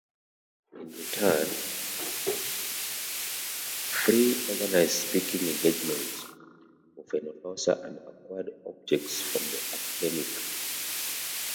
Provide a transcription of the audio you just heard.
In return, Freer organized speaking engagements for Fenollosa and acquired objects from the academic.